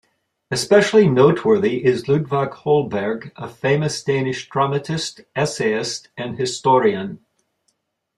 Especially noteworthy is Ludvig Holberg - a famous Danish dramatist, essayist and historian.